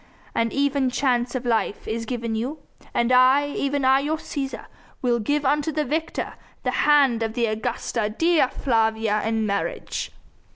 An even chance of life is given you! And I even I your Cæsar will give unto the victor the hand of the Augusta Dea Flavia in marriage!"